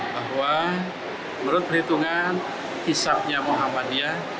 bahwa menurut perhitungan hisapnya muhammadiyah